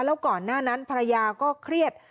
แล้วก่อนหน้านั้นภรรยาก็เครียด